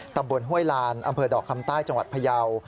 ห้วยลานอำเภอดอกคำใต้จังหวัดพยาว